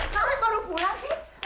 kamu baru pulang sih